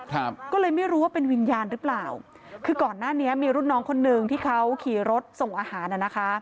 ครับก็เลยไม่รู้ว่าเป็นวิญญาณหรือเปล่าคือก่อนหน้านี้มีรุ่นน้องคนหนึ่งที่เขาขี่รถส่งอาหารอ่ะนะคะ